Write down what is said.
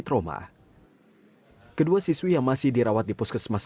kita masukkan pertanian kemudian ada santunan